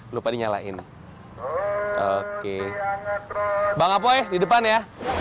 lupa dinyalain oke bang apoy di depan ya